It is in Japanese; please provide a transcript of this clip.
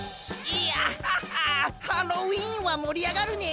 いやハロウィーンはもりあがるね！